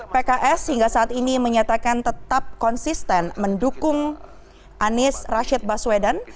pks hingga saat ini menyatakan tetap konsisten mendukung anies rashid baswedan